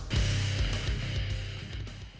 ดี